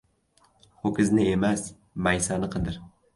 • Ho‘kizni emas, maysani qidir.